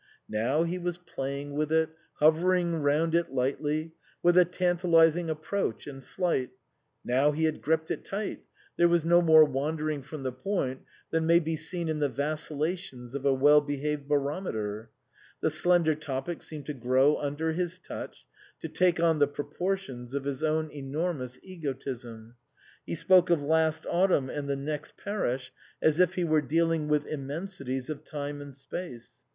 Now he was playing with it, hovering round it lightly, with a tantalising approach and flight ; now he had gripped it tight, there was no more wandering from the point than may be seen in the vacillations of a well behaved barometer ; the slender topic seemed to grow under his touch, to take on the proportions of his own enormous egotism ; he spoke of last autumn and the next parish as if he were dealing with immensities of time and space.